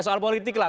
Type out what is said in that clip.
soal politik lah